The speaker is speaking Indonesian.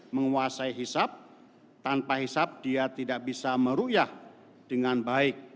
menguasai hisap tanpa hisap dia tidak bisa meruyah dengan baik